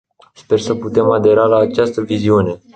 Sper să putem adera la această viziune.